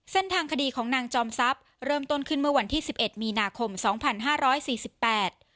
เส้นทางคดีของนางจอมทรัพย์เริ่มต้นขึ้นเมื่อวันที่สิบเอ็ดมีนาคมสองพันห้าร้อยสี่สิบแปด